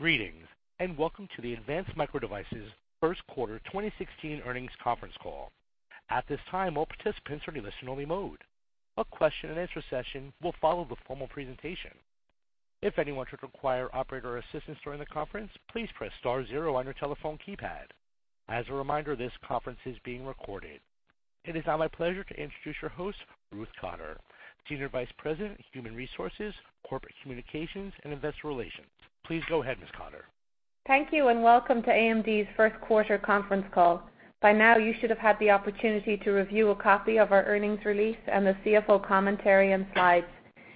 Greetings, welcome to the Advanced Micro Devices first quarter 2016 earnings conference call. At this time, all participants are in listen-only mode. A question and answer session will follow the formal presentation. If anyone should require operator assistance during the conference, please press star zero on your telephone keypad. As a reminder, this conference is being recorded. It is now my pleasure to introduce your host, Ruth Cotter, Senior Vice President, Human Resources, Corporate Communications, and Investor Relations. Please go ahead, Ms. Cotter. Thank you, welcome to AMD's first quarter conference call. By now, you should have had the opportunity to review a copy of our earnings release and the CFO commentary and slides.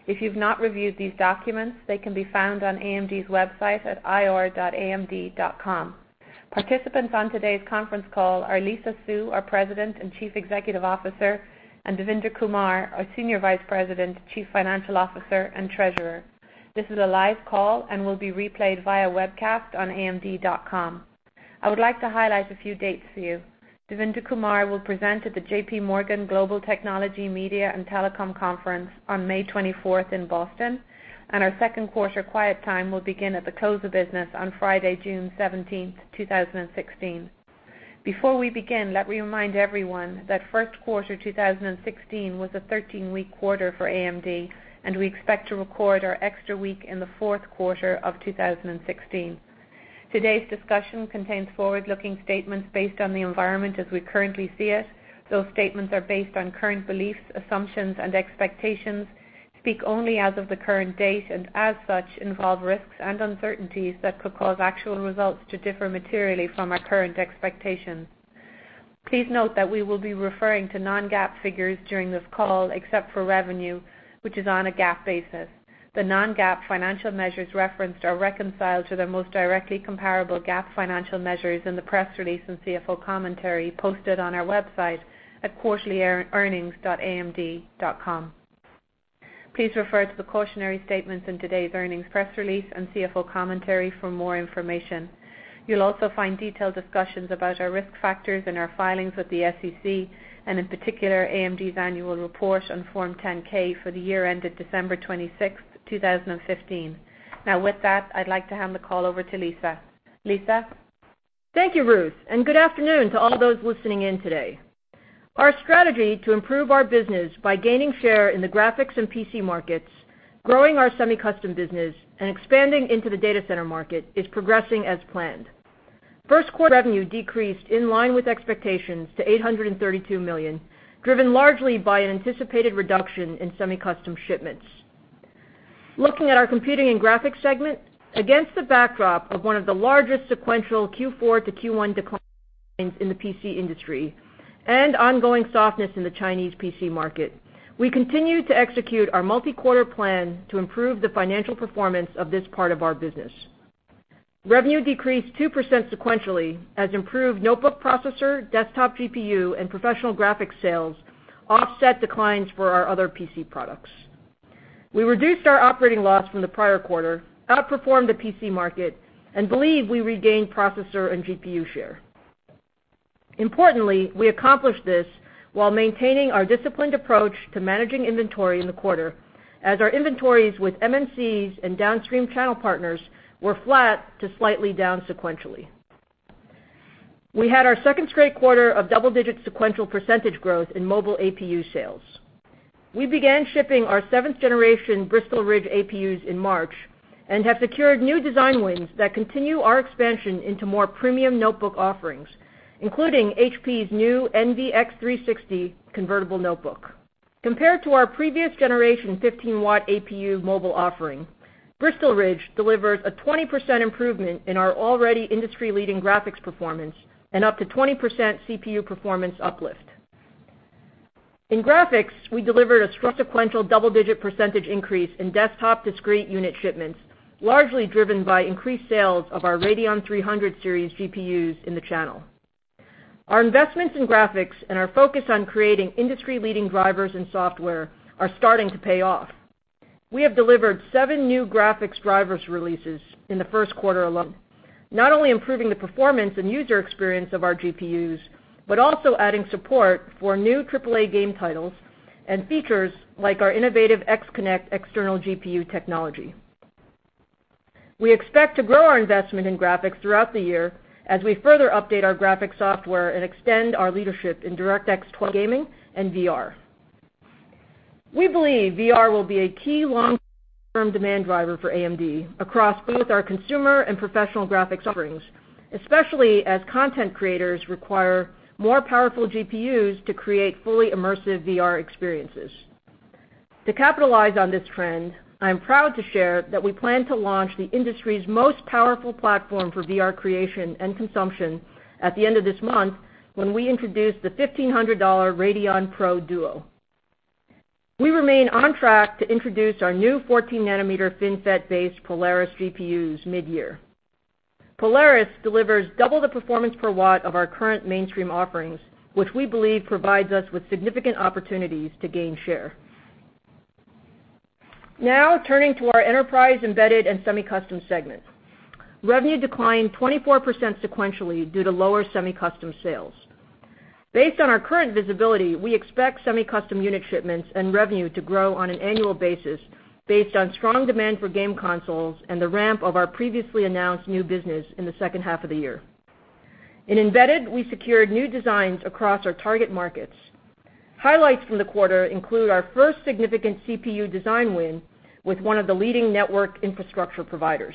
If you've not reviewed these documents, they can be found on AMD's website at ir.amd.com. Participants on today's conference call are Lisa Su, our President and Chief Executive Officer, and Devinder Kumar, our Senior Vice President, Chief Financial Officer, and Treasurer. This is a live call and will be replayed via webcast on amd.com. I would like to highlight a few dates for you. Devinder Kumar will present at the J.P. Morgan Global Technology, Media and Communications Conference on May 24th in Boston, and our second-quarter quiet time will begin at the close of business on Friday, June 17th, 2016. Before we begin, let me remind everyone that first quarter 2016 was a 13-week quarter for AMD, we expect to record our extra week in the fourth quarter of 2016. Today's discussion contains forward-looking statements based on the environment as we currently see it. Those statements are based on current beliefs, assumptions, and expectations, speak only as of the current date, as such, involve risks and uncertainties that could cause actual results to differ materially from our current expectations. Please note that we will be referring to non-GAAP figures during this call, except for revenue, which is on a GAAP basis. The non-GAAP financial measures referenced are reconciled to their most directly comparable GAAP financial measures in the press release and CFO commentary posted on our website at quarterlyearnings.amd.com. Please refer to the cautionary statements in today's earnings press release and CFO commentary for more information. You'll also find detailed discussions about our risk factors in our filings with the SEC and in particular, AMD's annual report on Form 10-K for the year ended December 26th, 2015. With that, I'd like to hand the call over to Lisa. Lisa? Thank you, Ruth, and good afternoon to all of those listening in today. Our strategy to improve our business by gaining share in the graphics and PC markets, growing our semi-custom business, and expanding into the data center market is progressing as planned. First quarter revenue decreased in line with expectations to $832 million, driven largely by an anticipated reduction in semi-custom shipments. Looking at our Computing and Graphics segment, against the backdrop of one of the largest sequential Q4 to Q1 declines in the PC industry and ongoing softness in the Chinese PC market, we continue to execute our multi-quarter plan to improve the financial performance of this part of our business. Revenue decreased 2% sequentially as improved notebook processor, desktop GPU, and professional graphic sales offset declines for our other PC products. We reduced our operating loss from the prior quarter, outperformed the PC market, and believe we regained processor and GPU share. Importantly, we accomplished this while maintaining our disciplined approach to managing inventory in the quarter as our inventories with MNCs and downstream channel partners were flat to slightly down sequentially. We had our second straight quarter of double-digit sequential percentage growth in mobile APU sales. We began shipping our seventh generation Bristol Ridge APUs in March and have secured new design wins that continue our expansion into more premium notebook offerings, including HP's new Envy x360 convertible notebook. Compared to our previous generation 15-watt APU mobile offering, Bristol Ridge delivers a 20% improvement in our already industry-leading graphics performance and up to 20% CPU performance uplift. In graphics, we delivered a sequential double-digit percentage increase in desktop discrete unit shipments, largely driven by increased sales of our Radeon 300 series GPUs in the channel. Our investments in graphics and our focus on creating industry-leading drivers and software are starting to pay off. We have delivered seven new graphics drivers releases in the first quarter alone, not only improving the performance and user experience of our GPUs, but also adding support for new triple-A game titles and features like our innovative XConnect external GPU technology. We expect to grow our investment in graphics throughout the year as we further update our graphics software and extend our leadership in DirectX 12 gaming and VR. We believe VR will be a key long-term demand driver for AMD across both our consumer and professional graphics offerings, especially as content creators require more powerful GPUs to create fully immersive VR experiences. To capitalize on this trend, I am proud to share that we plan to launch the industry's most powerful platform for VR creation and consumption at the end of this month when we introduce the $1,500 Radeon Pro Duo. We remain on track to introduce our new 14-nanometer FinFET-based Polaris GPUs mid-year. Polaris delivers double the performance per watt of our current mainstream offerings, which we believe provides us with significant opportunities to gain share. Turning to our Enterprise, Embedded and Semi-Custom segment. Revenue declined 24% sequentially due to lower semi-custom sales. Based on our current visibility, we expect semi-custom unit shipments and revenue to grow on an annual basis based on strong demand for game consoles and the ramp of our previously announced new business in the second half of the year. In embedded, we secured new designs across our target markets. Highlights from the quarter include our first significant CPU design win with one of the leading network infrastructure providers.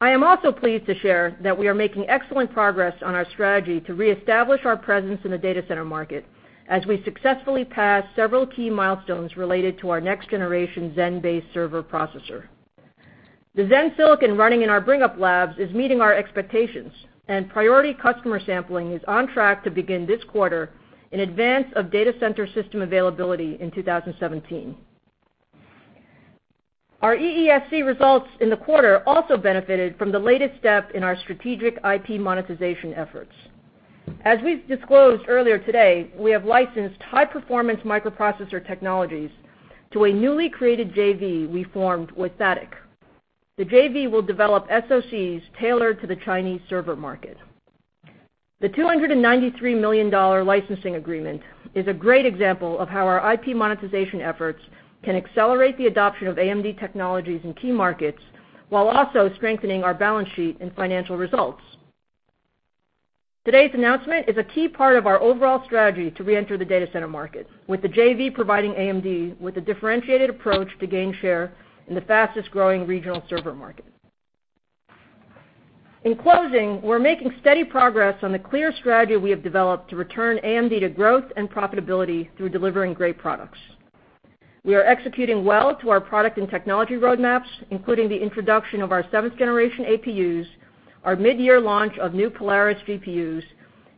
I am also pleased to share that we are making excellent progress on our strategy to reestablish our presence in the data center market as we successfully pass several key milestones related to our next generation Zen-based server processor. The Zen silicon running in our bring-up labs is meeting our expectations, and priority customer sampling is on track to begin this quarter in advance of data center system availability in 2017. Our EESC results in the quarter also benefited from the latest step in our strategic IP monetization efforts. As we've disclosed earlier today, we have licensed high-performance microprocessor technologies to a newly created JV we formed with THATIC. The JV will develop SOCs tailored to the Chinese server market. The $293 million licensing agreement is a great example of how our IP monetization efforts can accelerate the adoption of AMD technologies in key markets while also strengthening our balance sheet and financial results. Today's announcement is a key part of our overall strategy to reenter the data center market, with the JV providing AMD with a differentiated approach to gain share in the fastest-growing regional server market. In closing, we're making steady progress on the clear strategy we have developed to return AMD to growth and profitability through delivering great products. We are executing well to our product and technology roadmaps, including the introduction of our seventh generation APUs, our midyear launch of new Polaris GPUs,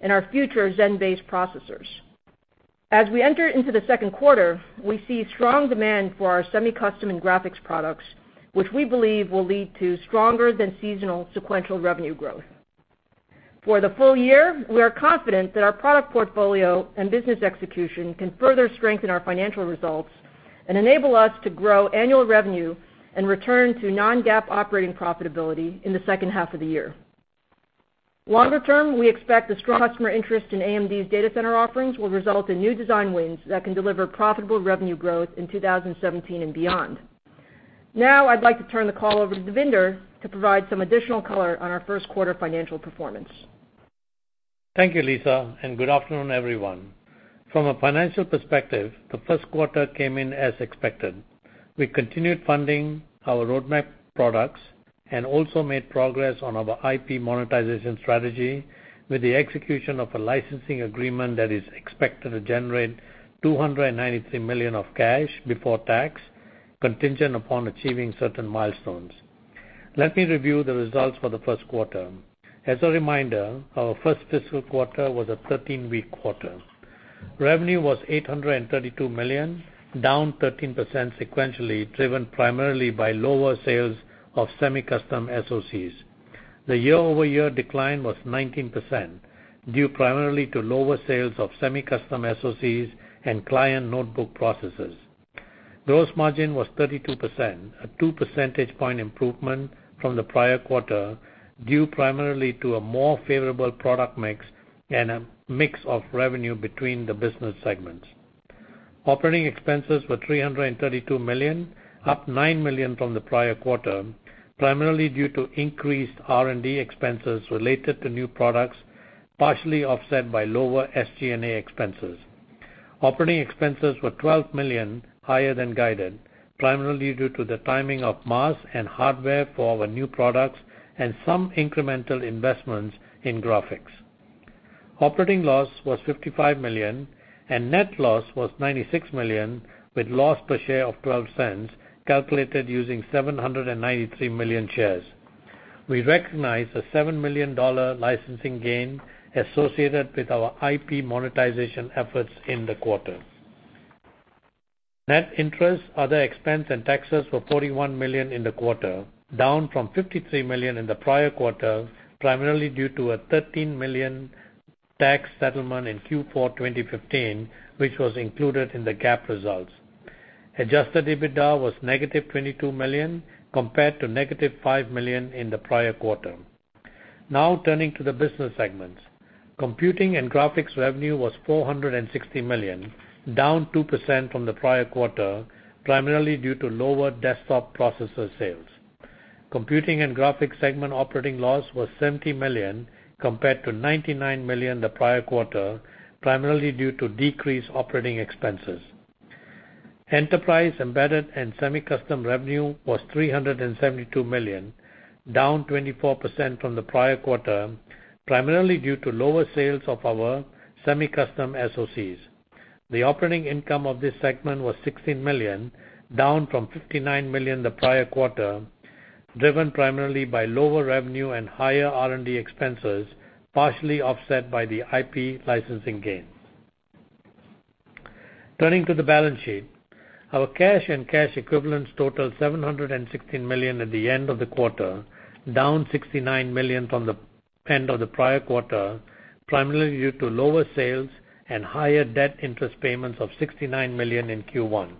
and our future Zen-based processors. As we enter into the second quarter, we see strong demand for our semi-custom and graphics products, which we believe will lead to stronger than seasonal sequential revenue growth. For the full year, we are confident that our product portfolio and business execution can further strengthen our financial results and enable us to grow annual revenue and return to non-GAAP operating profitability in the second half of the year. Longer term, we expect the strong customer interest in AMD's data center offerings will result in new design wins that can deliver profitable revenue growth in 2017 and beyond. Now I'd like to turn the call over to Devinder to provide some additional color on our first quarter financial performance. Thank you, Lisa, and good afternoon, everyone. From a financial perspective, the first quarter came in as expected. We continued funding our roadmap products and also made progress on our IP monetization strategy with the execution of a licensing agreement that is expected to generate $293 million of cash before tax, contingent upon achieving certain milestones. Let me review the results for the first quarter. As a reminder, our first fiscal quarter was a 13-week quarter. Revenue was $832 million, down 13% sequentially, driven primarily by lower sales of semi-custom SOCs. The year-over-year decline was 19%, due primarily to lower sales of semi-custom SOCs and client notebook processors. Gross margin was 32%, a two percentage point improvement from the prior quarter, due primarily to a more favorable product mix and a mix of revenue between the business segments. Operating expenses were $332 million, up $9 million from the prior quarter, primarily due to increased R&D expenses related to new products, partially offset by lower SG&A expenses. Operating expenses were $12 million higher than guided, primarily due to the timing of mass and hardware for our new products and some incremental investments in graphics. Operating loss was $55 million, and net loss was $96 million, with loss per share of $0.12, calculated using 793 million shares. We recognized a $7 million licensing gain associated with our IP monetization efforts in the quarter. Net interest, other expense, and taxes were $41 million in the quarter, down from $53 million in the prior quarter, primarily due to a $13 million tax settlement in Q4 2015, which was included in the GAAP results. Adjusted EBITDA was negative $22 million compared to negative $5 million in the prior quarter. Turning to the business segments. Computing and Graphics revenue was $460 million, down 2% from the prior quarter, primarily due to lower desktop processor sales. Computing and Graphics segment operating loss was $70 million compared to $99 million the prior quarter, primarily due to decreased operating expenses. Enterprise, Embedded and Semi-Custom revenue was $372 million, down 24% from the prior quarter, primarily due to lower sales of our semi-custom SOCs. The operating income of this segment was $16 million, down from $59 million the prior quarter, driven primarily by lower revenue and higher R&D expenses, partially offset by the IP licensing gains. Turning to the balance sheet. Our cash and cash equivalents totaled $716 million at the end of the quarter, down $69 million from the end of the prior quarter, primarily due to lower sales and higher debt interest payments of $69 million in Q1.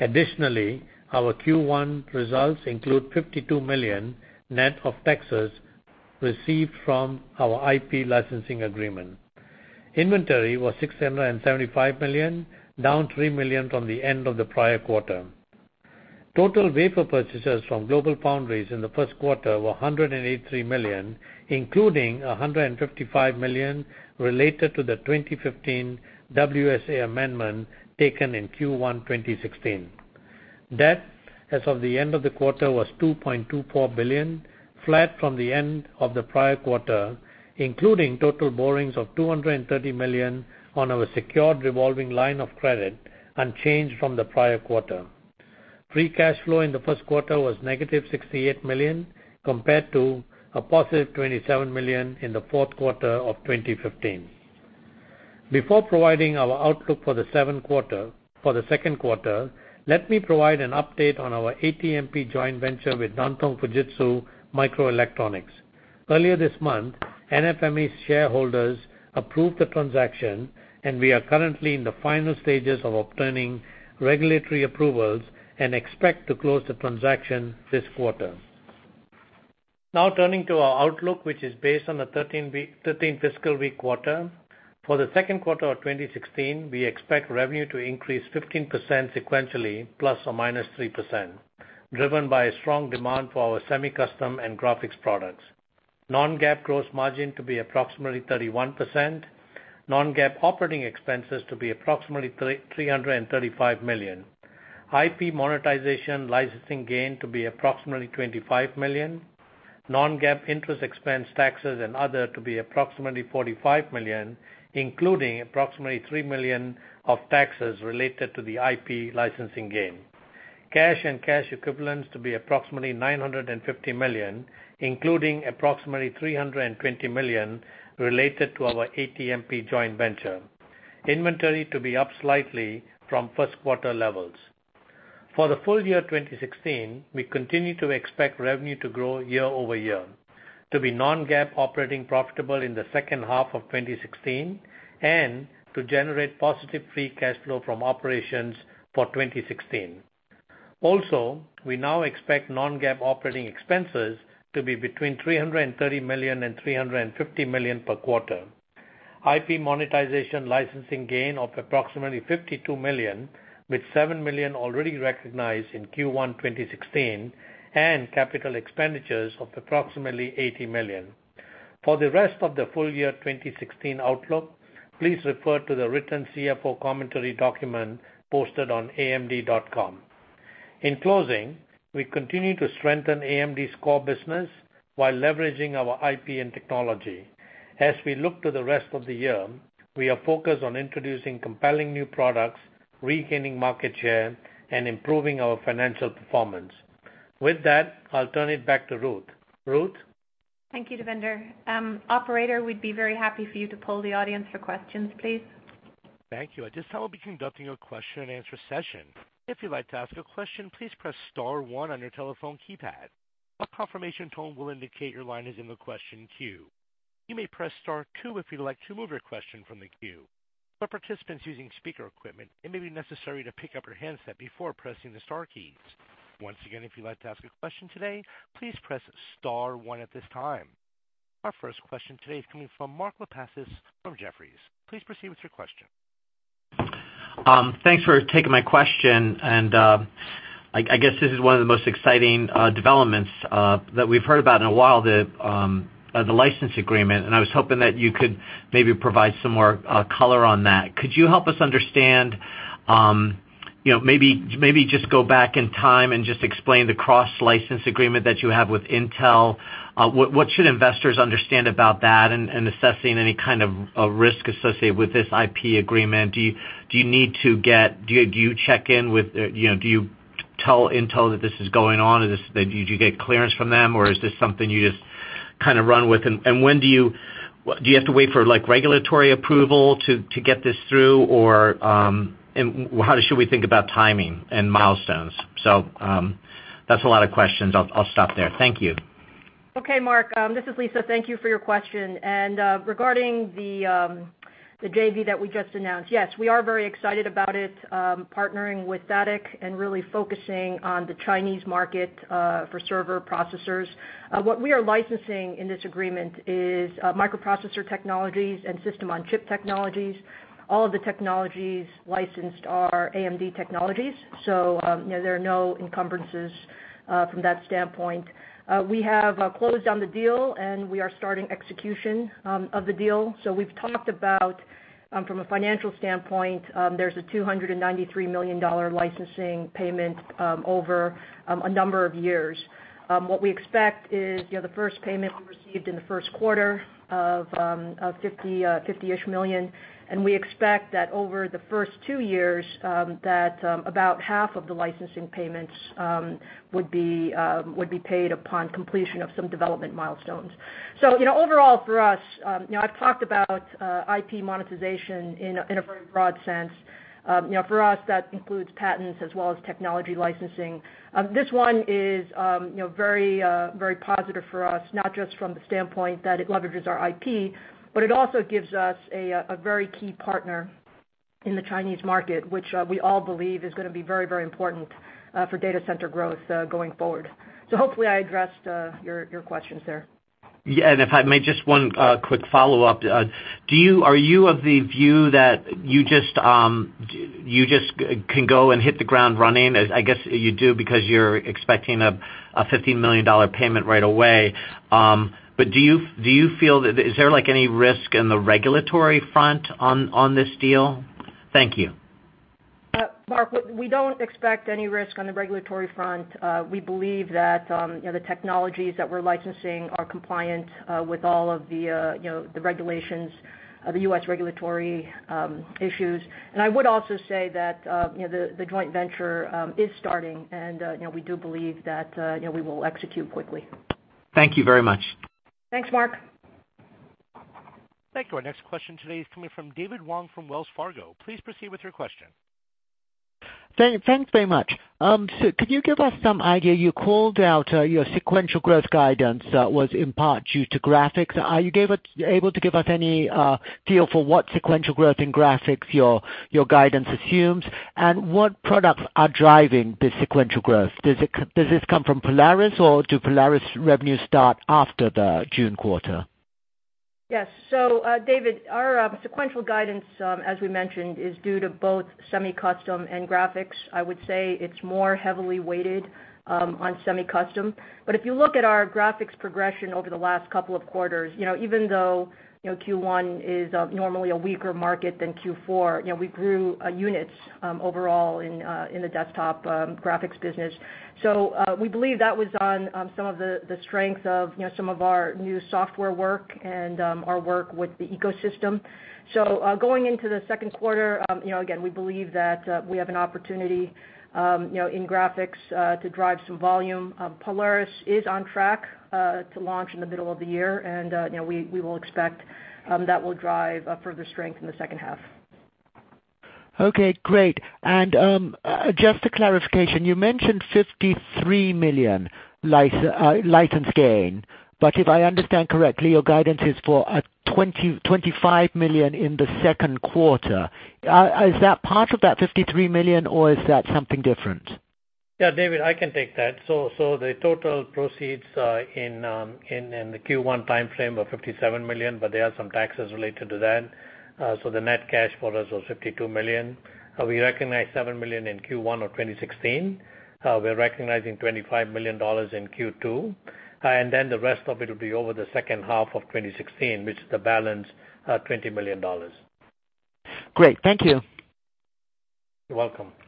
Additionally, our Q1 results include $52 million net of taxes received from our IP licensing agreement. Inventory was $675 million, down $3 million from the end of the prior quarter. Total wafer purchases from GlobalFoundries in the first quarter were $183 million, including $155 million related to the 2015 WSA amendment taken in Q1 2016. Debt as of the end of the quarter was $2.24 billion, flat from the end of the prior quarter, including total borrowings of $230 million on our secured revolving line of credit, unchanged from the prior quarter. Free cash flow in the first quarter was negative $68 million, compared to a positive $27 million in the fourth quarter of 2015. Before providing our outlook for the second quarter, let me provide an update on our ATMP joint venture with Nantong Fujitsu Microelectronics. Earlier this month, NFME shareholders approved the transaction, we are currently in the final stages of obtaining regulatory approvals and expect to close the transaction this quarter. Turning to our outlook, which is based on the 13 fiscal week quarter. For the second quarter of 2016, we expect revenue to increase 15% sequentially, ±3%, driven by a strong demand for our semi-custom and graphics products. Non-GAAP gross margin to be approximately 31%, non-GAAP operating expenses to be approximately $335 million. IP monetization licensing gain to be approximately $25 million. Non-GAAP interest expense taxes and other to be approximately $45 million, including approximately $3 million of taxes related to the IP licensing gain. Cash and cash equivalents to be approximately $950 million, including approximately $320 million related to our ATMP JV. Inventory to be up slightly from first quarter levels. For the full year 2016, we continue to expect revenue to grow year-over-year, to be non-GAAP operating profitable in the second half of 2016, and to generate positive free cash flow from operations for 2016. Also, we now expect non-GAAP operating expenses to be between $330 million and $350 million per quarter. IP monetization licensing gain of approximately $52 million, with $7 million already recognized in Q1 2016, and capital expenditures of approximately $80 million. For the rest of the full year 2016 outlook, please refer to the written CFO commentary document posted on amd.com. In closing, we continue to strengthen AMD's core business while leveraging our IP and technology. As we look to the rest of the year, we are focused on introducing compelling new products, regaining market share, and improving our financial performance. With that, I'll turn it back to Ruth. Ruth? Thank you, Devinder. Operator, we'd be very happy for you to poll the audience for questions, please. Thank you. At this time, we'll be conducting a question and answer session. If you'd like to ask a question, please press *1 on your telephone keypad. A confirmation tone will indicate your line is in the question queue. You may press *2 if you'd like to move your question from the queue. For participants using speaker equipment, it may be necessary to pick up your handset before pressing the star keys. Once again, if you'd like to ask a question today, please press *1 at this time. Our first question today is coming from Mark Lipacis from Jefferies. Please proceed with your question. Thanks for taking my question. I guess this is one of the most exciting developments that we've heard about in a while, the license agreement. I was hoping that you could maybe provide some more color on that. Could you help us understand, maybe just go back in time and just explain the cross-license agreement that you have with Intel? What should investors understand about that and assessing any kind of risk associated with this IP agreement? Do you tell Intel that this is going on, did you get clearance from them, or is this something you just run with? Do you have to wait for regulatory approval to get this through, or how should we think about timing and milestones? That's a lot of questions. I'll stop there. Thank you. Okay, Mark. This is Lisa. Thank you for your question, and regarding the JV that we just announced. Yes, we are very excited about it, partnering with THATIC and really focusing on the Chinese market for server processors. What we are licensing in this agreement is microprocessor technologies and system-on-chip technologies. All of the technologies licensed are AMD technologies, so there are no encumbrances from that standpoint. We have closed on the deal, and we are starting execution of the deal. We've talked about, from a financial standpoint, there's a $293 million licensing payment over a number of years. What we expect is the first payment we received in the first quarter of $50 million, and we expect that over the first two years, that about half of the licensing payments would be paid upon completion of some development milestones. Overall for us, I've talked about IP monetization in a very broad sense. For us, that includes patents as well as technology licensing. This one is very positive for us, not just from the standpoint that it leverages our IP, but it also gives us a very key partner in the Chinese market, which we all believe is going to be very important for data center growth going forward. Hopefully I addressed your questions there. If I may, just one quick follow-up. Are you of the view that you just can go and hit the ground running? I guess you do because you're expecting a $50 million payment right away. Is there any risk in the regulatory front on this deal? Thank you. Mark, we don't expect any risk on the regulatory front. We believe that the technologies that we're licensing are compliant with all of the regulations of the U.S. regulatory issues. I would also say that the joint venture is starting, and we do believe that we will execute quickly. Thank you very much. Thanks, Mark. Thank you. Our next question today is coming from David Wong from Wells Fargo. Please proceed with your question. Thanks very much. Could you give us some idea, you called out your sequential growth guidance was in part due to graphics. Are you able to give us any feel for what sequential growth in graphics your guidance assumes, and what products are driving this sequential growth? Does this come from Polaris, or do Polaris revenues start after the June quarter? Yes, David, our sequential guidance, as we mentioned, is due to both semi-custom and graphics. I would say it's more heavily weighted on semi-custom. If you look at our graphics progression over the last couple of quarters, even though Q1 is normally a weaker market than Q4, we grew units overall in the desktop graphics business. We believe that was on some of the strength of some of our new software work and our work with the ecosystem. Going into the second quarter, again, we believe that we have an opportunity in graphics to drive some volume. Polaris is on track to launch in the middle of the year, and we will expect that will drive further strength in the second half. Okay, great. Just a clarification, you mentioned $53 million license gain, but if I understand correctly, your guidance is for a $25 million in the second quarter. Is that part of that $53 million, or is that something different? Yeah, David, I can take that. The total proceeds in the Q1 timeframe were $57 million, but there are some taxes related to that. The net cash for us was $52 million. We recognize $7 million in Q1 of 2016. We're recognizing $25 million in Q2, and the rest of it will be over the second half of 2016, which is the balance of $20 million. Great. Thank you. You're welcome. Thank you.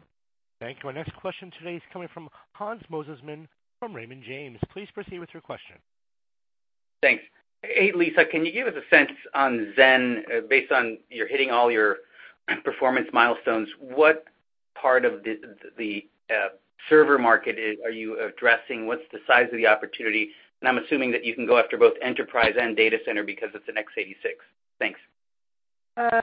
Our next question today is coming from Hans Mosesmann from Raymond James. Please proceed with your question. Thanks. Hey, Lisa, can you give us a sense on Zen based on you're hitting all your performance milestones, what part of the server market are you addressing? What's the size of the opportunity? I'm assuming that you can go after both enterprise and data center because it's an x86. Thanks.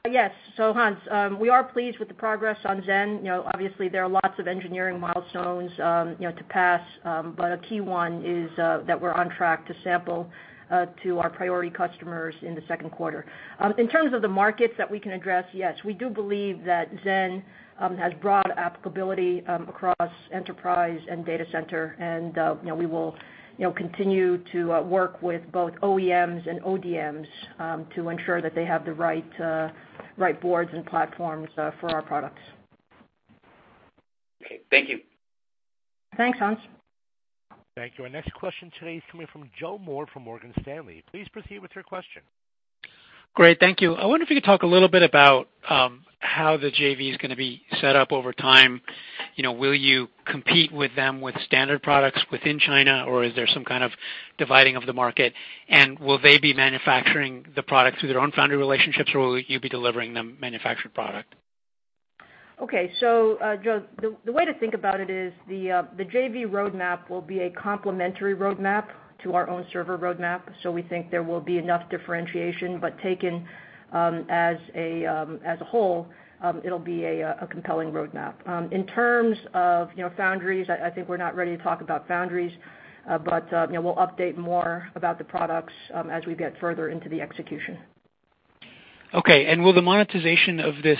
Yes. Hans, we are pleased with the progress on Zen. Obviously, there are lots of engineering milestones to pass, but a key one is that we're on track to sample to our priority customers in the second quarter. In terms of the markets that we can address, yes, we do believe that Zen has broad applicability across enterprise and data center. We will continue to work with both OEMs and ODMs to ensure that they have the right boards and platforms for our products. Okay. Thank you. Thanks, Hans. Thank you. Our next question today is coming from Joseph Moore from Morgan Stanley. Please proceed with your question. Great. Thank you. I wonder if you could talk a little bit about how the JV is going to be set up over time. Will you compete with them with standard products within China, or is there some kind of dividing of the market? Will they be manufacturing the products through their own foundry relationships, or will you be delivering them manufactured product? Okay. Joe, the way to think about it is the JV roadmap will be a complementary roadmap to our own server roadmap. We think there will be enough differentiation, but taken as a whole, it'll be a compelling roadmap. In terms of foundries, I think we're not ready to talk about foundries, but we'll update more about the products as we get further into the execution. Okay, will the monetization of this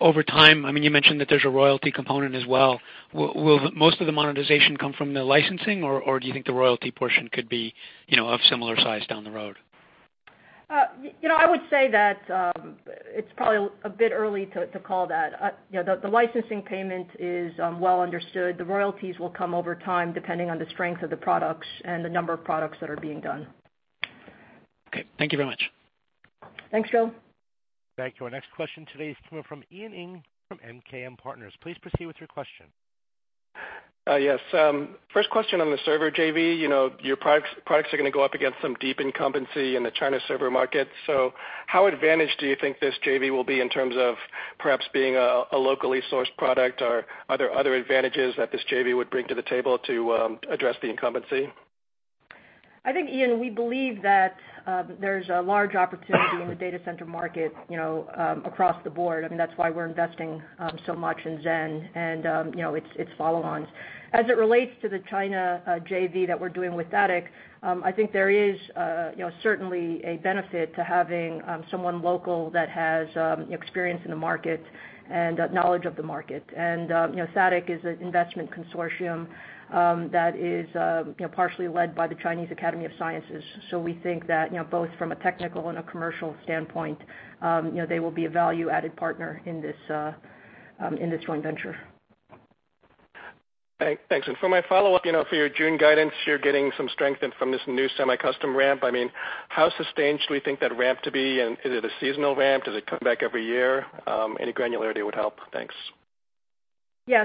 over time, you mentioned that there's a royalty component as well, will most of the monetization come from the licensing, or do you think the royalty portion could be of similar size down the road? I would say that it's probably a bit early to call that. The licensing payment is well understood. The royalties will come over time, depending on the strength of the products and the number of products that are being done. Okay. Thank you very much. Thanks, Joe. Thank you. Our next question today is coming from Ian Ing from MKM Partners. Please proceed with your question. Yes. First question on the server JV. Your products are going to go up against some deep incumbency in the China server market. How advantaged do you think this JV will be in terms of perhaps being a locally sourced product, or are there other advantages that this JV would bring to the table to address the incumbency? I think, Ian, we believe that there's a large opportunity in the data center market across the board. That's why we're investing so much in Zen and its follow-ons. As it relates to the China JV that we're doing with THATIC, I think there is certainly a benefit to having someone local that has experience in the market and knowledge of the market. THATIC is an investment consortium that is partially led by the Chinese Academy of Sciences. We think that both from a technical and a commercial standpoint they will be a value-added partner in this joint venture. Thanks. For my follow-up, for your June guidance, you are getting some strength from this new semi-custom ramp. How sustained should we think that ramp to be? Is it a seasonal ramp? Does it come back every year? Any granularity would help. Thanks. Yeah.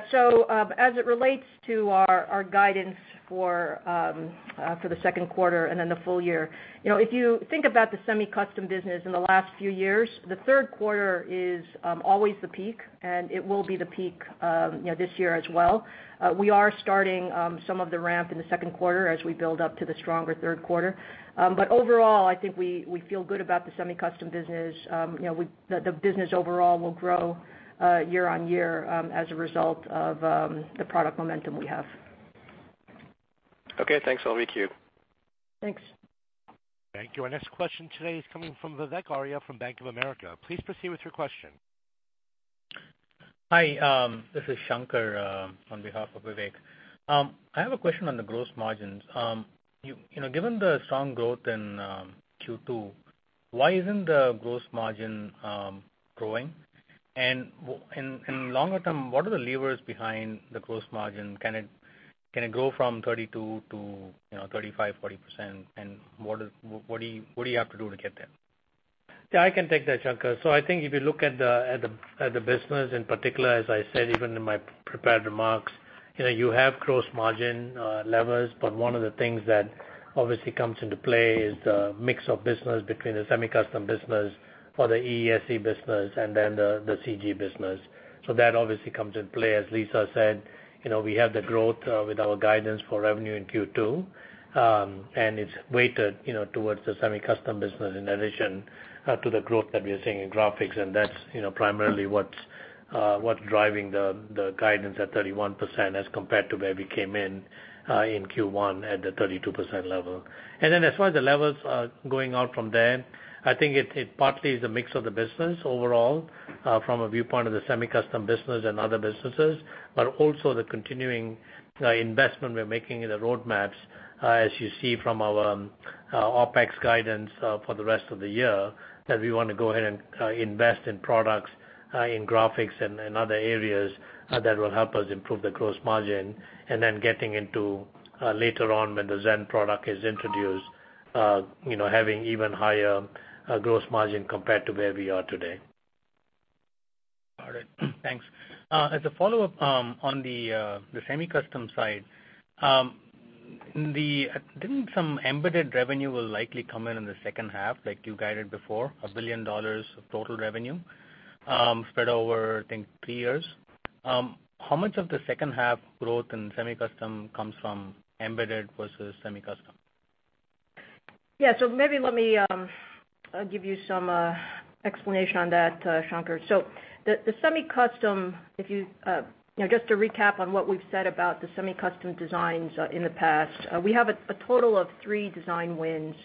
As it relates to our guidance for the second quarter and then the full year, if you think about the semi-custom business in the last few years, the third quarter is always the peak, and it will be the peak this year as well. We are starting some of the ramp in the second quarter as we build up to the stronger third quarter. Overall, I think we feel good about the semi-custom business. The business overall will grow year-on-year as a result of the product momentum we have. Okay, thanks. I will queue. Thanks. Thank you. Our next question today is coming from Vivek Arya from Bank of America. Please proceed with your question. Hi, this is Shankar on behalf of Vivek. I have a question on the gross margins. Given the strong growth in Q2, why isn't the gross margin growing? Longer term, what are the levers behind the gross margin? Can it grow from 32%-35%, 40%? What do you have to do to get there? Yeah, I can take that, Shankar. I think if you look at the business in particular, as I said, even in my prepared remarks, you have gross margin levers, but one of the things that obviously comes into play is the mix of business between the semi-custom business for the EESC business and then the C&G business. That obviously comes into play. As Lisa said, we have the growth with our guidance for revenue in Q2, and it's weighted towards the semi-custom business in addition to the growth that we are seeing in graphics, and that's primarily what's driving the guidance at 31% as compared to where we came in Q1 at the 32% level. As far as the levers are going out from there, I think it partly is a mix of the business overall, from a viewpoint of the semi-custom business and other businesses, but also the continuing investment we're making in the roadmaps, as you see from our OpEx guidance for the rest of the year, that we want to go ahead and invest in products in graphics and other areas that will help us improve the gross margin. Getting into later on when the Zen product is introduced having even higher gross margin compared to where we are today. All right. Thanks. As a follow-up on the semi-custom side, didn't some embedded revenue will likely come in on the second half, like you guided before, $1 billion of total revenue spread over, I think, three years. How much of the second half growth in semi-custom comes from embedded versus semi-custom? Maybe let me give you some explanation on that, Shankar. The semi-custom, just to recap on what we've said about the semi-custom designs in the past, we have a total of three design wins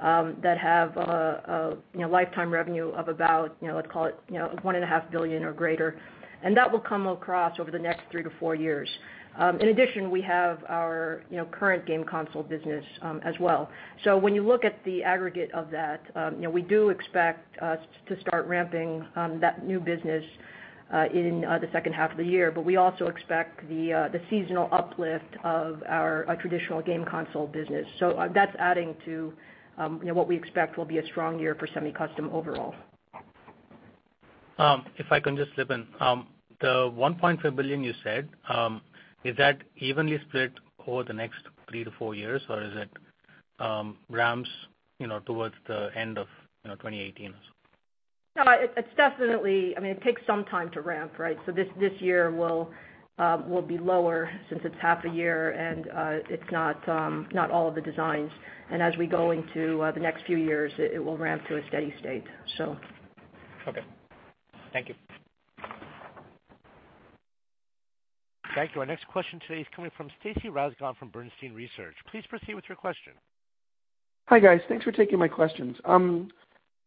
that have a lifetime revenue of about, let's call it, $1.5 billion or greater, and that will come across over the next three to four years. In addition, we have our current game console business as well. When you look at the aggregate of that, we do expect to start ramping that new business in the second half of the year, but we also expect the seasonal uplift of our traditional game console business. That's adding to what we expect will be a strong year for semi-custom overall. If I can just slip in, the $1.5 billion you said, is that evenly split over the next three to four years, or is it ramps towards the end of 2018 or so? No, it takes some time to ramp, right? This year will be lower since it's half a year and it's not all of the designs. As we go into the next few years, it will ramp to a steady state. Thank you. Thank you. Our next question today is coming from Stacy Rasgon from Bernstein Research. Please proceed with your question. Hi, guys. Thanks for taking my questions.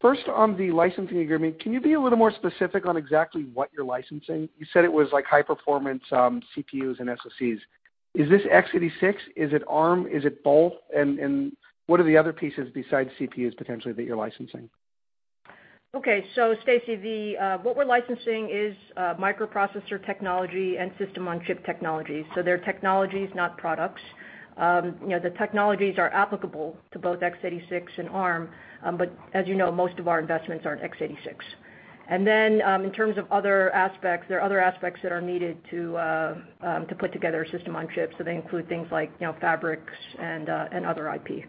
First, on the licensing agreement, can you be a little more specific on exactly what you're licensing? You said it was high performance CPUs and SOCs. Is this x86? Is it Arm? Is it both? What are the other pieces besides CPUs potentially that you're licensing? Okay. Stacy, what we're licensing is microprocessor technology and system-on-chip technology. They're technologies, not products. The technologies are applicable to both x86 and Arm, but as you know, most of our investments are in x86. In terms of other aspects, there are other aspects that are needed to put together a system on chip, so they include things like fabrics and other IP.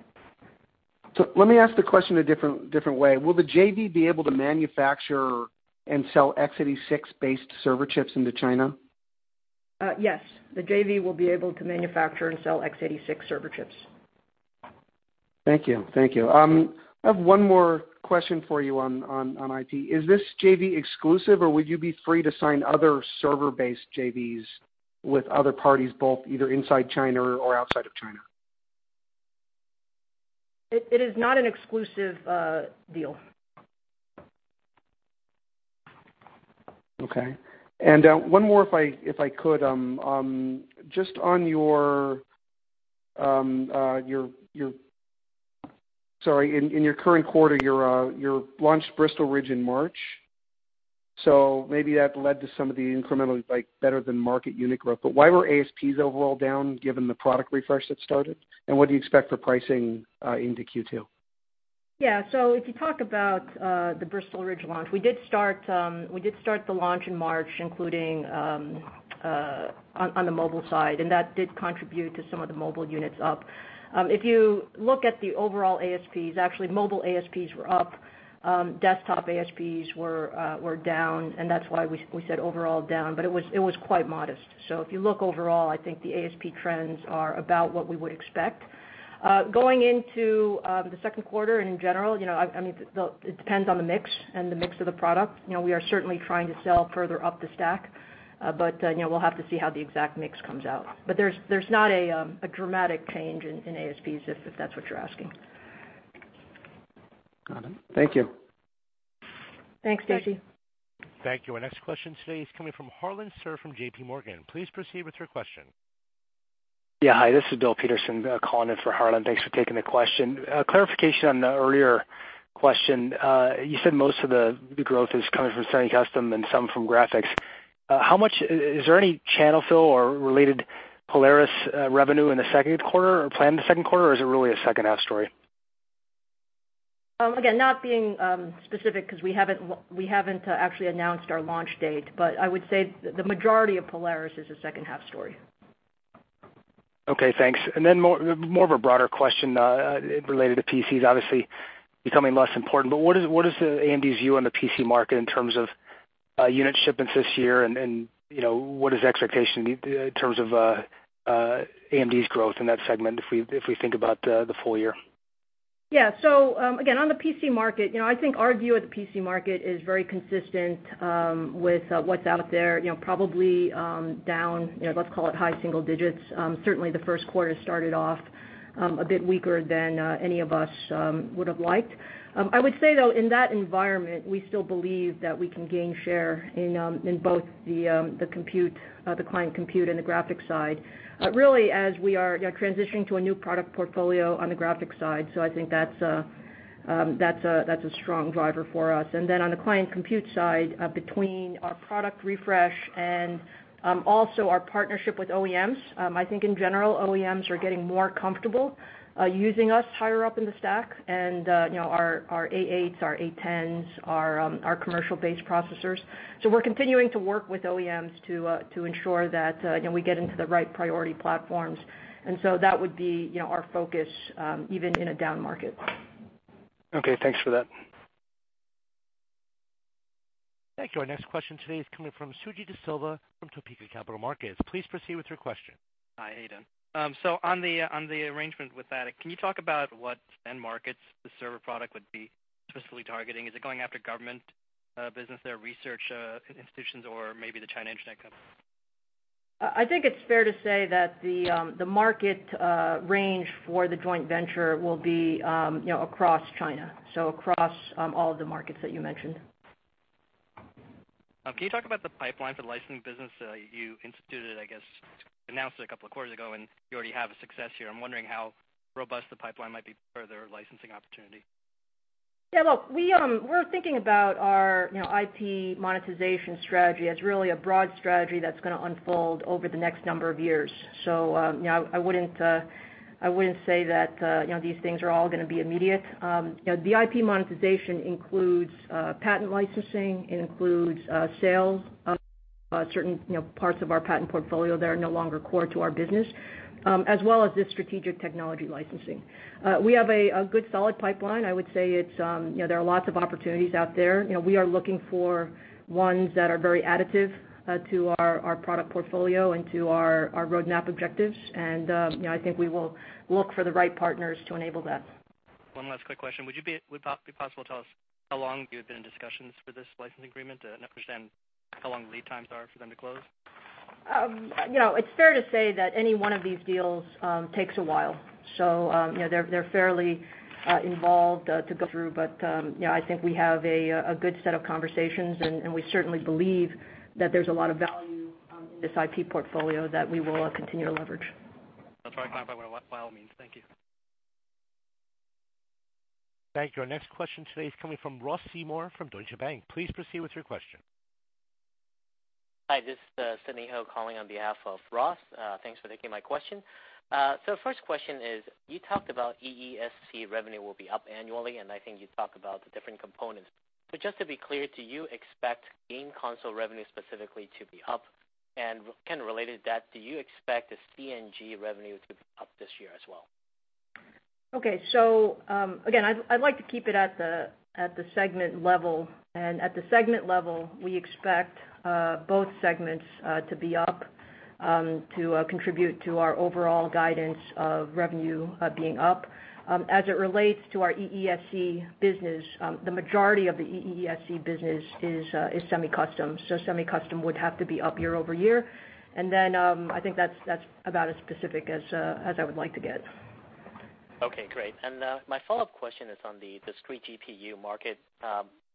Let me ask the question a different way. Will the JV be able to manufacture and sell x86-based server chips into China? Yes. The JV will be able to manufacture and sell x86 server chips. Thank you. I have one more question for you on IT. Is this JV exclusive, or would you be free to sign other server-based JVs with other parties, both either inside China or outside of China? It is not an exclusive deal. Okay. One more, if I could. In your current quarter, you launched Bristol Ridge in March, maybe that led to some of the incremental better-than-market unit growth. Why were ASPs overall down, given the product refresh that started, and what do you expect for pricing into Q2? Yeah. If you talk about the Bristol Ridge launch, we did start the launch in March, including on the mobile side, and that did contribute to some of the mobile units up. If you look at the overall ASPs, actually mobile ASPs were up. Desktop ASPs were down, and that's why we said overall down, but it was quite modest. If you look overall, I think the ASP trends are about what we would expect. Going into the second quarter and in general, it depends on the mix and the mix of the product. We are certainly trying to sell further up the stack, but we'll have to see how the exact mix comes out. There's not a dramatic change in ASPs, if that's what you're asking. Got it. Thank you. Thanks, Stacy. Thank you. Our next question today is coming from Harlan Sur from J.P. Morgan. Please proceed with your question. Yeah. Hi, this is Bill Peterson calling in for Harlan. Thanks for taking the question. Clarification on the earlier question. You said most of the growth is coming from semi-custom and some from graphics. Is there any channel fill or related Polaris revenue in the second quarter or planned in the second quarter, or is it really a second-half story? Not being specific because we haven't actually announced our launch date, but I would say the majority of Polaris is a second-half story. Okay, thanks. More of a broader question related to PCs obviously becoming less important, but what is AMD's view on the PC market in terms of unit shipments this year and what is the expectation in terms of AMD's growth in that segment, if we think about the full year? Yeah. On the PC market, I think our view of the PC market is very consistent with what's out there, probably down, let's call it high single digits. Certainly, the first quarter started off a bit weaker than any of us would have liked. I would say, though, in that environment, we still believe that we can gain share in both the client compute and the graphics side, really as we are transitioning to a new product portfolio on the graphics side. I think that's a strong driver for us. On the client compute side, between our product refresh and also our partnership with OEMs, I think in general, OEMs are getting more comfortable using us higher up in the stack and our A8s, our A10s, our commercial-based processors. We're continuing to work with OEMs to ensure that we get into the right priority platforms, and so that would be our focus even in a down market. Okay. Thanks for that. Thank you. Our next question today is coming from Suji Desilva from Topeka Capital Markets. Please proceed with your question. Hi. How you doing? On the arrangement with THATIC, can you talk about what end markets the server product would be specifically targeting? Is it going after government business there, research institutions, or maybe the China internet companies? I think it's fair to say that the market range for the joint venture will be across China, so across all of the markets that you mentioned. Can you talk about the pipeline for the licensing business? You instituted it, I guess, announced it a couple of quarters ago. You already have a success here. I'm wondering how robust the pipeline might be for their licensing opportunity. Yeah, look, we're thinking about our IP monetization strategy as really a broad strategy that's going to unfold over the next number of years. I wouldn't say that these things are all going to be immediate. The IP monetization includes patent licensing. It includes sales of certain parts of our patent portfolio that are no longer core to our business, as well as the strategic technology licensing. We have a good, solid pipeline. I would say there are lots of opportunities out there. We are looking for ones that are very additive to our product portfolio and to our roadmap objectives. I think we will look for the right partners to enable that. One last quick question. Would it be possible to tell us how long you've been in discussions for this licensing agreement? I don't understand how long the lead times are for them to close. It's fair to say that any one of these deals takes a while, so they're fairly involved to go through. I think we have a good set of conversations, and we certainly believe that there's a lot of value in this IP portfolio that we will continue to leverage. I'll try to clarify what a while means. Thank you. Thank you. Our next question today is coming from Ross Seymore from Deutsche Bank. Please proceed with your question. Hi, this is Sidney Ho calling on behalf of Ross. Thanks for taking my question. First question is, you talked about EESC revenue will be up annually, I think you talked about the different components. Just to be clear, do you expect game console revenue specifically to be up? Kind of related to that, do you expect the C&G revenue to be up this year as well? Again, I'd like to keep it at the segment level. At the segment level, we expect both segments to be up to contribute to our overall guidance of revenue being up. As it relates to our EESC business, the majority of the EESC business is semi-custom. Semi-custom would have to be up year-over-year. I think that's about as specific as I would like to get. Okay, great. My follow-up question is on the discrete GPU market.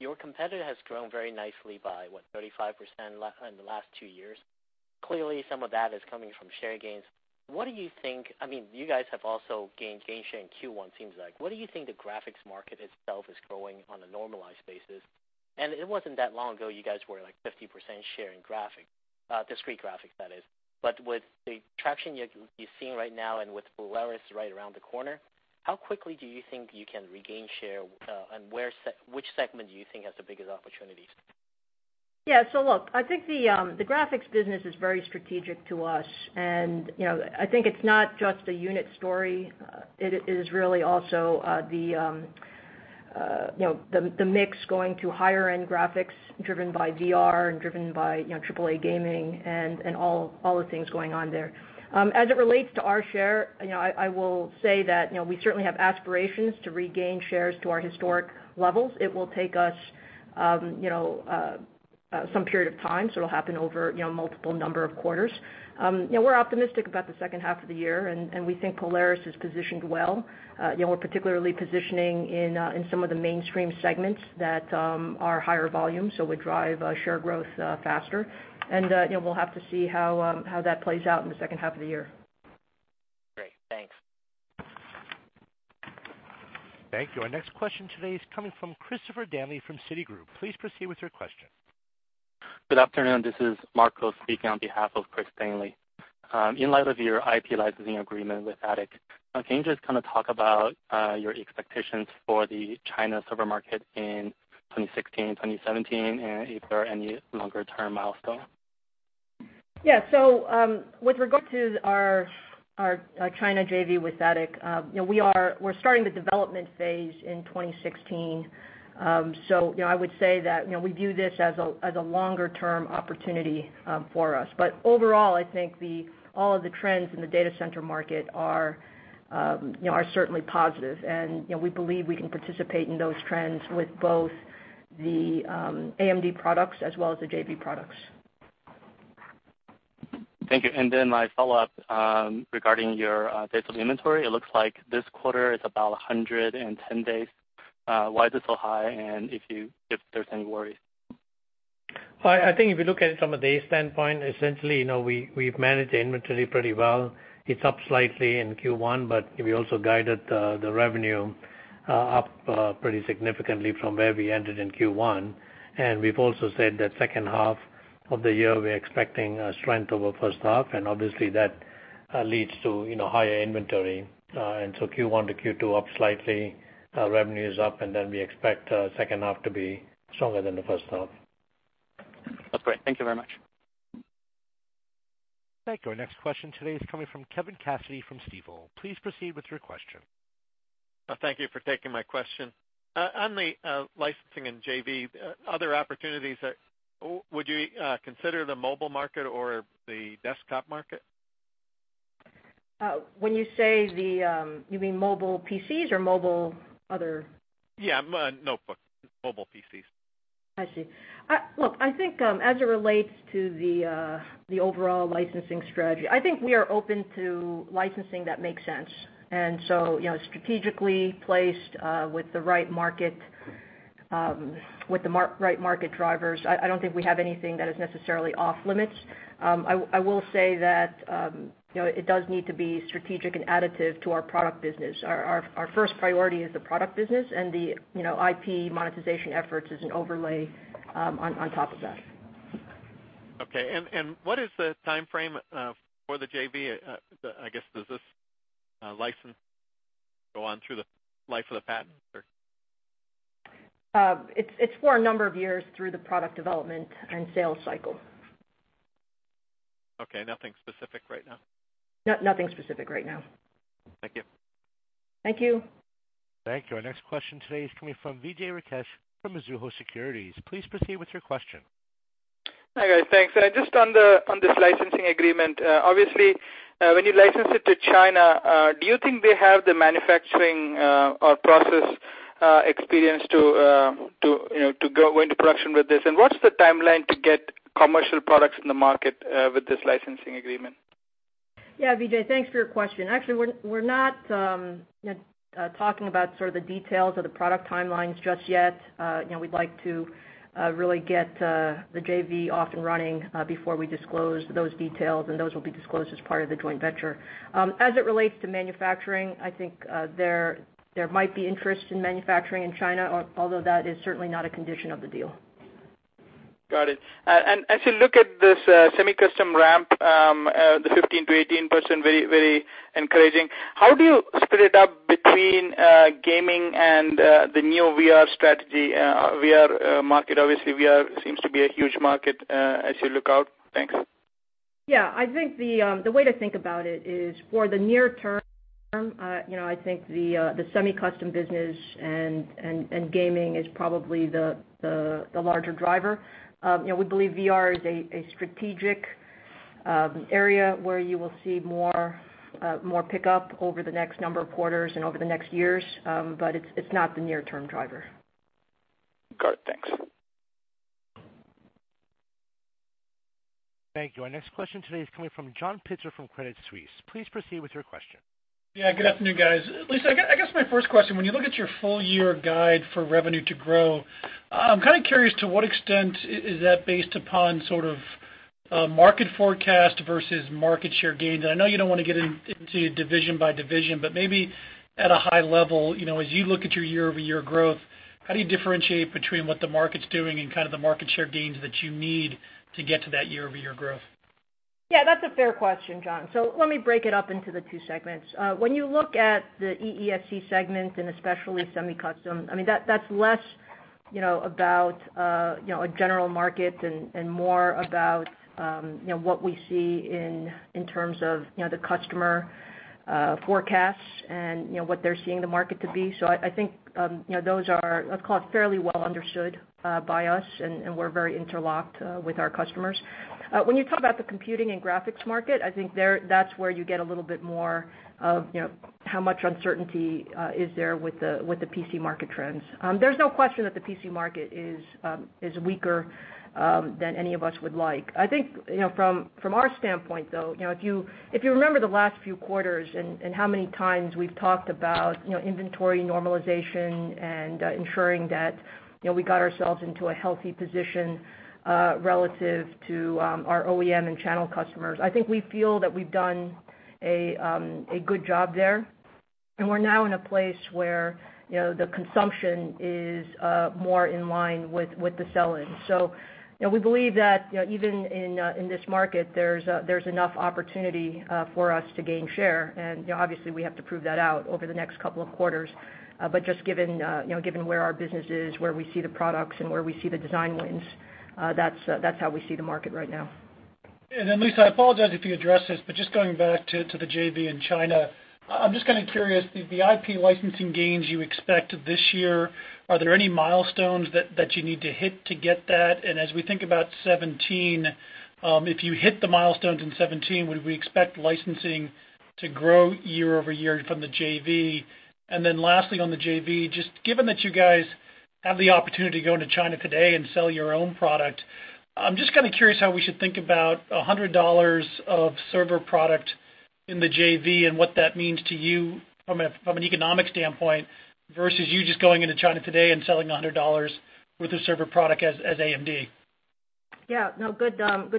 Your competitor has grown very nicely by, what? 35% in the last 2 years. Clearly, some of that is coming from share gains. You guys have also gained share in Q1, seems like. What do you think the graphics market itself is growing on a normalized basis? It wasn't that long ago, you guys were like 50% share in discrete graphics. With the traction you're seeing right now and with Polaris right around the corner, how quickly do you think you can regain share? Which segment do you think has the biggest opportunities? Yeah. Look, I think the graphics business is very strategic to us, and I think it's not just a unit story. It is really also the mix going to higher-end graphics driven by VR and driven by triple A gaming and all the things going on there. As it relates to our share, I will say that we certainly have aspirations to regain shares to our historic levels. It will take us some period of time, so it'll happen over multiple number of quarters. We're optimistic about the second half of the year, and we think Polaris is positioned well. We're particularly positioning in some of the mainstream segments that are higher volume, so would drive share growth faster. We'll have to see how that plays out in the second half of the year. Great. Thanks. Thank you. Our next question today is coming from Christopher Danely from Citigroup. Please proceed with your question. Good afternoon. This is Marco speaking on behalf of Chris Danely. In light of your IP licensing agreement with THATIC, can you just talk about your expectations for the China server market in 2016, 2017, and if there are any longer-term milestones? Yeah. With regard to our China JV with THATIC, we're starting the development phase in 2016. I would say that we view this as a longer-term opportunity for us. Overall, I think all of the trends in the data center market are certainly positive, and we believe we can participate in those trends with both the AMD products as well as the JV products. Thank you. My follow-up, regarding your days of inventory, it looks like this quarter it's about 110 days. Why is it so high, and if there's any worries? I think if you look at it from a day standpoint, essentially, we've managed the inventory pretty well. It's up slightly in Q1. We also guided the revenue up pretty significantly from where we ended in Q1. We've also said that second half of the year, we're expecting a strength over first half, and obviously, that leads to higher inventory. Q1 to Q2 up slightly, revenue's up, and then we expect second half to be stronger than the first half. That's great. Thank you very much. Thank you. Our next question today is coming from Kevin Cassidy from Stifel. Please proceed with your question. Thank you for taking my question. On the licensing and JV, other opportunities, would you consider the mobile market or the desktop market? When you say, you mean mobile PCs or mobile other? Yeah. Notebook. Mobile PCs. I see. Look, I think as it relates to the overall licensing strategy, I think we are open to licensing that makes sense. Strategically placed with the right market drivers, I don't think we have anything that is necessarily off-limits. I will say that it does need to be strategic and additive to our product business. Our first priority is the product business, and the IP monetization efforts is an overlay on top of that. Okay. What is the timeframe for the JV? I guess, does this license go on through the life of the patent, or? It's for a number of years through the product development and sales cycle. Okay. Nothing specific right now? No. Nothing specific right now. Thank you. Thank you. Thank you. Our next question today is coming from Vijay Rakesh from Mizuho Securities. Please proceed with your question. Hi, guys. Thanks. Just on this licensing agreement, obviously, when you license it to China, do you think they have the manufacturing or process experience to go into production with this? What's the timeline to get commercial products in the market with this licensing agreement? Yeah, Vijay, thanks for your question. Actually, we're not talking about sort of the details of the product timelines just yet. We'd like to really get the JV off and running before we disclose those details. Those will be disclosed as part of the joint venture. As it relates to manufacturing, I think there might be interest in manufacturing in China, although that is certainly not a condition of the deal. Got it. As you look at this semi-custom ramp, the 15%-18%, very encouraging. How do you split it up between gaming and the new VR strategy? VR market, obviously VR seems to be a huge market as you look out. Thanks. I think the way to think about it is for the near term, I think the semi-custom business and gaming is probably the larger driver. We believe VR is a strategic area where you will see more pickup over the next number of quarters and over the next years. It's not the near-term driver. Got it. Thanks. Thank you. Our next question today is coming from John Pitzer from Credit Suisse. Please proceed with your question. Good afternoon, guys. Lisa, I guess my first question, when you look at your full year guide for revenue to grow, I'm kind of curious to what extent is that based upon sort of market forecast versus market share gains? I know you don't want to get into division by division, but maybe at a high level, as you look at your year-over-year growth, how do you differentiate between what the market's doing and kind of the market share gains that you need to get to that year-over-year growth? Yeah, that's a fair question, John. Let me break it up into the two segments. When you look at the EESC segment, and especially semi-custom, that's less about a general market and more about what we see in terms of the customer forecasts and what they're seeing the market to be. I think those are, let's call it, fairly well understood by us, and we're very interlocked with our customers. When you talk about the Computing and Graphics market, I think that's where you get a little bit more of how much uncertainty is there with the PC market trends. There's no question that the PC market is weaker than any of us would like. I think from our standpoint, though, if you remember the last few quarters and how many times we've talked about inventory normalization and ensuring that we got ourselves into a healthy position relative to our OEM and channel customers, I think we feel that we've done a good job there. We're now in a place where the consumption is more in line with the sell-in. We believe that even in this market, there's enough opportunity for us to gain share, and obviously we have to prove that out over the next couple of quarters. Just given where our business is, where we see the products, and where we see the design wins, that's how we see the market right now. Lisa, I apologize if you addressed this, just going back to the JV in China, I'm just kind of curious, the IP licensing gains you expect this year, are there any milestones that you need to hit to get that? As we think about 2017, if you hit the milestones in 2017, would we expect licensing to grow year-over-year from the JV? Lastly, on the JV, just given that you guys have the opportunity to go into China today and sell your own product, I'm just kind of curious how we should think about $100 of server product in the JV and what that means to you from an economic standpoint, versus you just going into China today and selling $100 worth of server product as AMD. Yeah. No, good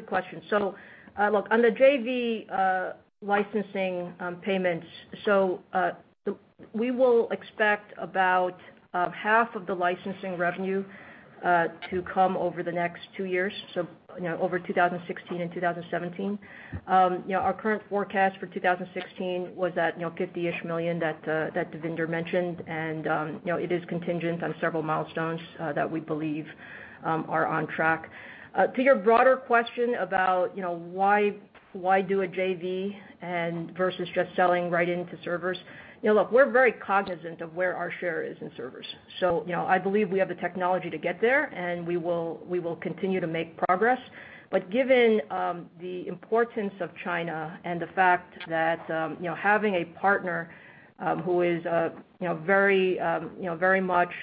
question. On the JV licensing payments, we will expect about half of the licensing revenue to come over the next two years, over 2016 and 2017. Our current forecast for 2016 was at $50-ish million that Devinder mentioned, and it is contingent on several milestones that we believe are on track. To your broader question about why do a JV versus just selling right into servers. Look, we're very cognizant of where our share is in servers. I believe we have the technology to get there, and we will continue to make progress. Given the importance of China and the fact that having a partner who is very much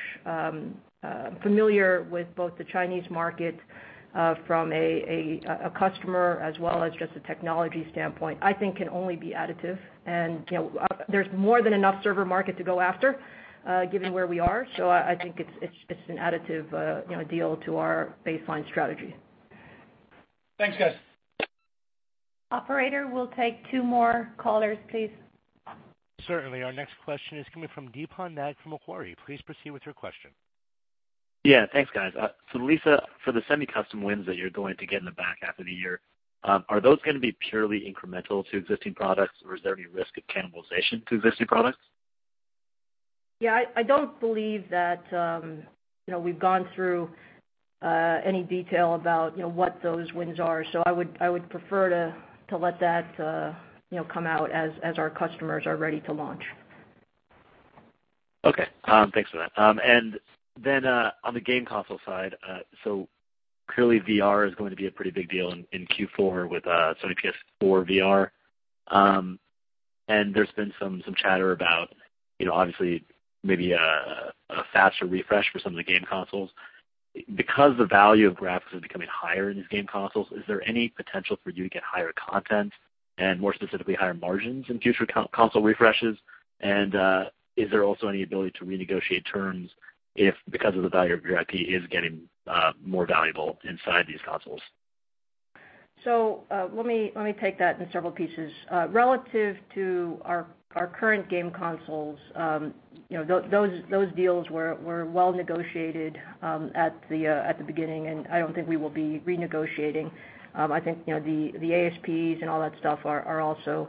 familiar with both the Chinese market from a customer as well as just a technology standpoint, I think can only be additive. There's more than enough server market to go after given where we are. I think it's an additive deal to our baseline strategy. Thanks, guys. Operator, we'll take two more callers, please. Certainly. Our next question is coming from Deepon Nag from Macquarie. Please proceed with your question. Yeah, thanks guys. Lisa, for the semi-custom wins that you're going to get in the back half of the year, are those going to be purely incremental to existing products, or is there any risk of cannibalization to existing products? Yeah, I don't believe that we've gone through any detail about what those wins are. I would prefer to let that come out as our customers are ready to launch. Okay. Thanks for that. On the game console side, clearly VR is going to be a pretty big deal in Q4 with Sony PS4 VR. There's been some chatter about obviously maybe a faster refresh for some of the game consoles. Because the value of graphics is becoming higher in these game consoles, is there any potential for you to get higher content and more specifically, higher margins in future console refreshes? Is there also any ability to renegotiate terms if because of the value of your IP is getting more valuable inside these consoles? Let me take that in several pieces. Relative to our current game consoles, those deals were well negotiated at the beginning, and I don't think we will be renegotiating. I think the ASPs and all that stuff are also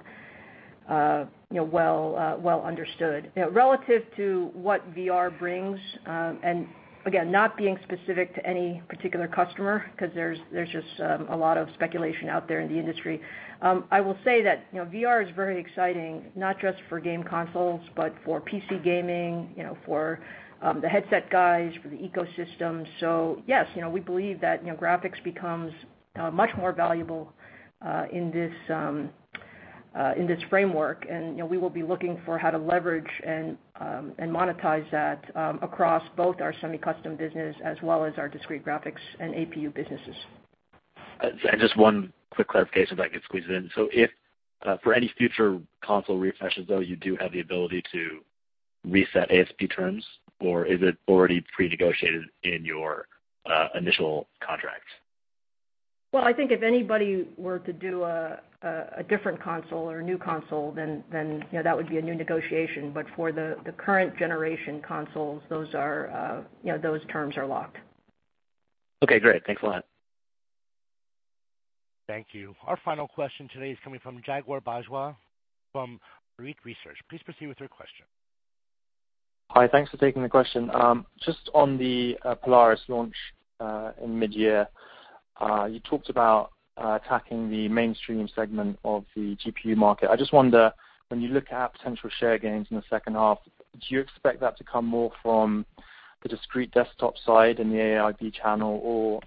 well understood. Relative to what VR brings, and again, not being specific to any particular customer, because there's just a lot of speculation out there in the industry. I will say that VR is very exciting, not just for game consoles, but for PC gaming, for the headset guys, for the ecosystem. Yes, we believe that graphics becomes much more valuable in this framework, and we will be looking for how to leverage and monetize that across both our semi-custom business as well as our discrete graphics and APU businesses. Just one quick clarification if I could squeeze it in. For any future console refreshes, though, you do have the ability to reset ASP terms, or is it already pre-negotiated in your initial contract? Well, I think if anybody were to do a different console or a new console, then that would be a new negotiation. For the current generation consoles, those terms are locked. Okay, great. Thanks a lot. Thank you. Our final question today is coming from Jagadish Bajwa from Arete Research. Please proceed with your question. Hi. Thanks for taking the question. Just on the Polaris launch in mid-year, you talked about attacking the mainstream segment of the GPU market. I just wonder, when you look at potential share gains in the second half, do you expect that to come more from the discrete desktop side and the AIB channel or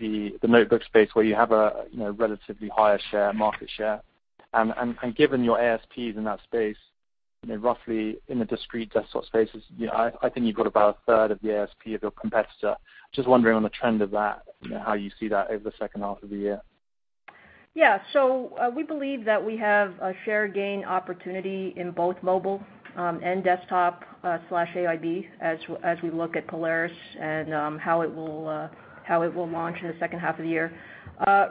the notebook space where you have a relatively higher market share? Given your ASPs in that space, roughly in the discrete desktop spaces, I think you've got about a third of the ASP of your competitor. Just wondering on the trend of that, how you see that over the second half of the year. We believe that we have a share gain opportunity in both mobile and desktop/AIB as we look at Polaris and how it will launch in the second half of the year.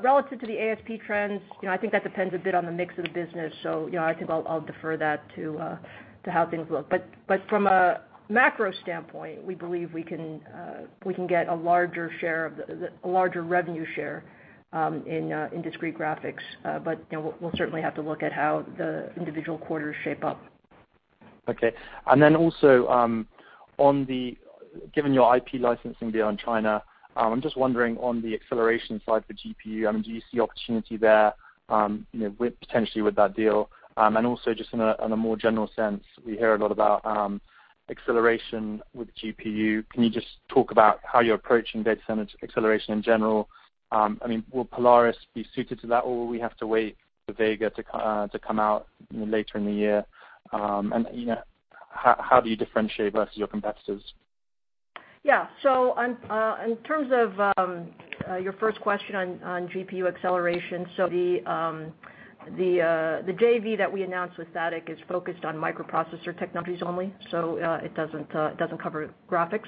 Relative to the ASP trends, I think that depends a bit on the mix of the business. I think I'll defer that to how things look. From a macro standpoint, we believe we can get a larger revenue share in discrete graphics. We'll certainly have to look at how the individual quarters shape up. Given your IP licensing deal in China, I'm just wondering on the acceleration side for GPU, do you see opportunity there, potentially with that deal? Also just in a more general sense, we hear a lot about acceleration with GPU. Can you just talk about how you're approaching data center acceleration in general? Will Polaris be suited to that, or will we have to wait for Vega to come out later in the year? How do you differentiate versus your competitors? In terms of your first question on GPU acceleration, the JV that we announced with THATIC is focused on microprocessor technologies only, it doesn't cover graphics.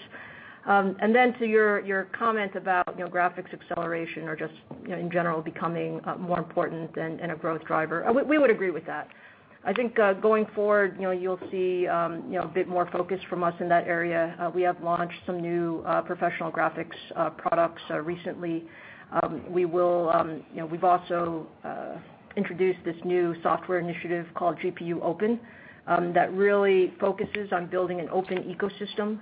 To your comment about graphics acceleration or just in general becoming more important and a growth driver, we would agree with that. I think going forward, you'll see a bit more focus from us in that area. We have launched some new professional graphics products recently. We've also introduced this new software initiative called GPUOpen, that really focuses on building an open ecosystem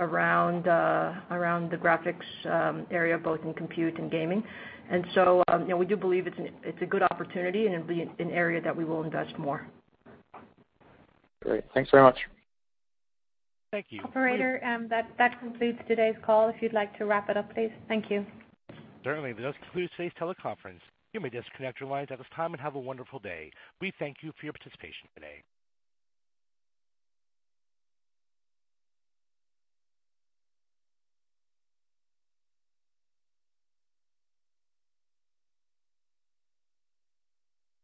around the graphics area, both in compute and gaming. We do believe it's a good opportunity, and it'll be an area that we will invest more. Great. Thanks very much. Thank you. Operator, that concludes today's call. If you'd like to wrap it up, please. Thank you. Certainly. That concludes today's teleconference. You may disconnect your lines at this time and have a wonderful day. We thank you for your participation today.